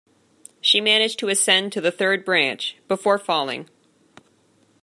She managed to ascend to the third branch, before falling.